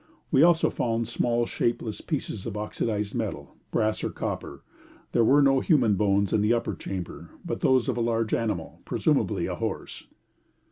We also found small shapeless pieces of oxidised metal, brass or copper. There were no human bones in the upper chamber, but those of a large animal, presumably a horse.